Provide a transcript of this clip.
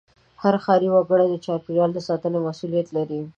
هر ښاري وګړی د چاپېریال ساتنې مسوولیت لري.